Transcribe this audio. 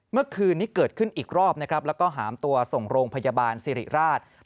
เมื่อคืนนี้เกิดขึ้นอีกรอบนะครับแล้วก็หามตัวส่งโรงพยาบาลสิริราช